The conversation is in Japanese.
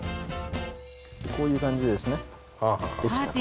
こういう感じでですねできたと。